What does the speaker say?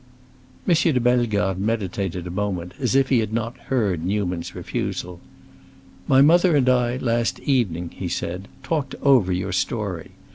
M. de Bellegarde meditated a moment, as if he had not heard Newman's refusal. "My mother and I, last evening," he said, "talked over your story.